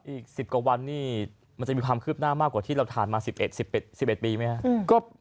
อีก๑๐กว่าวันนี้มันจะมีความคืบหน้ามากกว่าที่เราทานมา๑๑ปีไหมครับ